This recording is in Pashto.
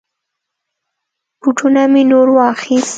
بوټونه می نور واخيست.